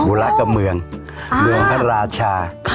อ๋อบูระกับเมืองเมืองพระราชา